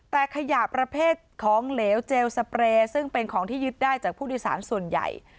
แต่ขยะประเภทของเหลวเจลสเปรย์ซึ่งเป็นของที่ยึดได้จากผู้โดยสารส่วนใหญ่